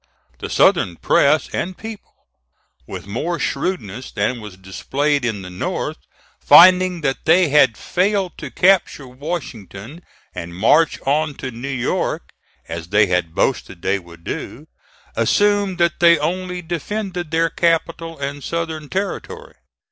The Southern press and people, with more shrewdness than was displayed in the North, finding that they had failed to capture Washington and march on to New York, as they had boasted they would do, assumed that they only defended their Capital and Southern territory.